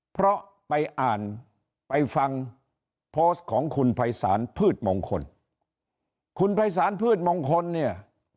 เพราะไปอ่านไปฟังโพสต์ของคุณภัยศาลพืชมงคลคุณภัยศาลพืชมงคลเนี่ย